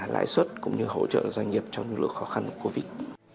lãi suất cũng như hỗ trợ doanh nghiệp trong những lúc khó khăn của covid